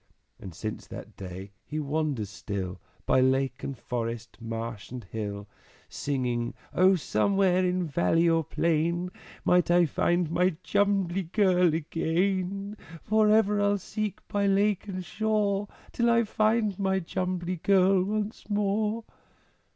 And since that day he wanders still By lake and forest, marsh and hill, Singing, "O somewhere, in valley or plain, Might I find my Jumbly Girl again! For ever I'll seek by lake and shore Till I find my Jumbly Girl once more!"